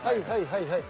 はいはい。